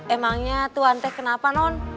emangnya tuh antek kenapa non